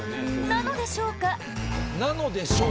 なのでしょうかです。